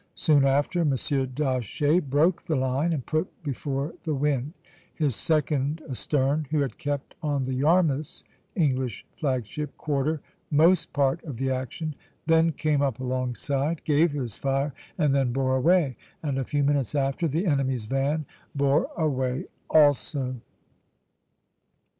Soon after, M. d'Aché broke the line, and put before the wind; his second astern, who had kept on the 'Yarmouth's' [English flag ship] quarter most part of the action, then came up alongside, gave his fire, and then bore away; and a few minutes after, the enemy's van bore away also."